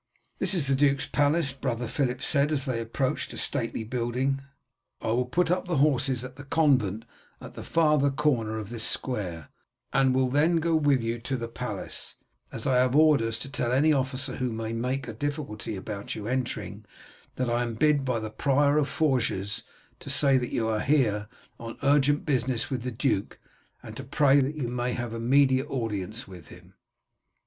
"That is the duke's palace," brother Philip said, as they approached a stately building. "I will put up the horses at the convent at the farther corner of this square, and will then go with you to the palace, as I have orders to tell any officer who may make a difficulty about you entering, that I am bid by the prior of Forges to say that you are here on urgent business with the duke, and to pray that you may have immediate audience with him."